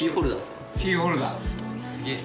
すげえ。